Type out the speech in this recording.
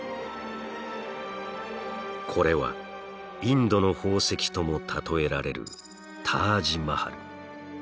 これはインドの宝石とも例えられるタージ・マハル。